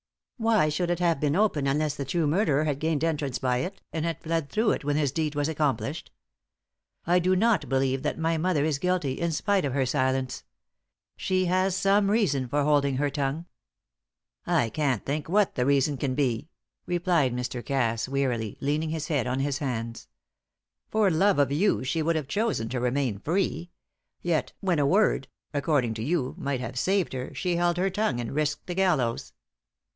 Why should it have been open unless the true murderer had gained entrance by it, and had fled through it when his deed was accomplished? I do not believe that my mother is guilty, in spite of her silence. She has some reason for holding her tongue." "I can't think what the reason can be," replied Mr. Cass, wearily, leaning his head on his hands. "For love of you she would have chosen to remain free; yet when a word according to you might have saved her, she held her tongue and risked the gallows."